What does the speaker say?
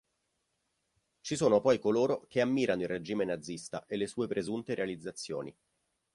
Ci sono poi coloro che ammirano il regime nazista e le sue presunte realizzazioni.